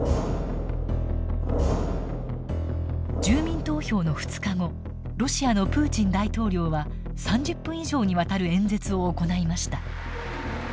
住民投票の２日後ロシアのプーチン大統領は３０分以上にわたる演説を行いました。